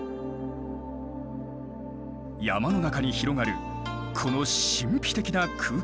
山の中に広がるこの神秘的な空間。